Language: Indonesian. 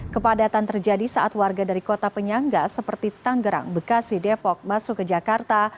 kepadatan terjadi saat warga dari kota penyangga seperti tanggerang bekasi depok masuk ke jakarta